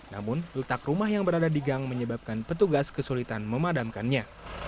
namun letak rumah yang berada di gang menyebabkan petugas kesulitan memadamkannya